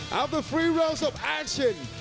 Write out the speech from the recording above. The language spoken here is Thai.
หลังจาก๓รอบของแอคชั่น